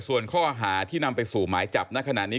ส่วนข้อหาที่นำไปสู่หมายจับในขณะนี้